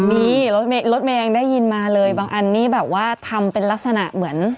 นี่รถเมย์ได้ยินมาเลยบางอันนี้แบบว่าทำเป็นลักษณะเหมือน